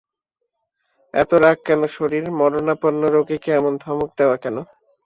এত রাগ কেন শশীর, মরণাপন্ন রোগীকে এমন ধমক দেওয়া কেন?